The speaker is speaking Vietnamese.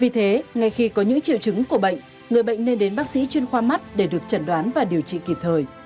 vì thế ngay khi có những triệu chứng của bệnh người bệnh nên đến bác sĩ chuyên khoa mắt để được chẩn đoán và điều trị kịp thời